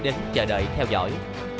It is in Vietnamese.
đến chờ đợi theo dõi